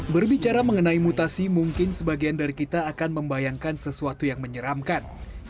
berbicara mengenai mutasi mungkin sebagian dari kita akan membayangkan sesuatu yang menyeramkan